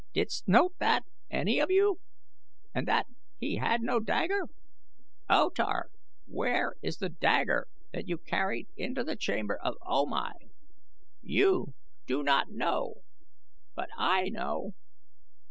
Didst note that, any of you? And that he had no dagger? O Tar, where is the dagger that you carried into the chamber of O Mai? You do not know; but I know.